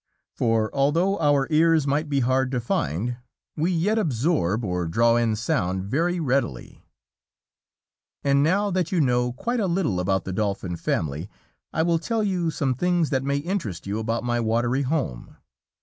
For although our ears might be hard to find, we yet absorb or draw in sound very readily. And now that you know quite a little about the Dolphin family, I will tell you some things that may interest you about my watery home.